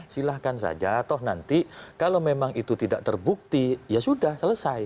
silahkan saja toh nanti kalau memang itu tidak terbukti ya sudah selesai